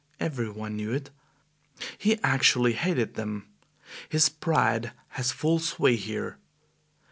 "Every one knew it. He actually hated them. His pride has full sway here."